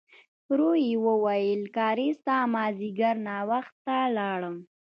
ورو يې وویل: کارېز ته مازديګر ناوخته لاړم.